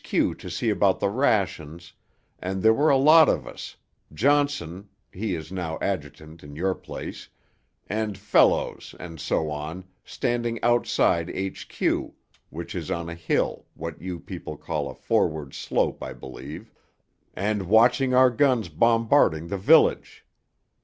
Q. to see about the rations, and there were a lot of us, Johnson (he is now Adj. in your place) and Fellowes, and so on, standing outside H.Q. (which is on a hill what you people call a forward slope, I believe), and watching our guns bombarding the village.